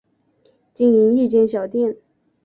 经营一间小店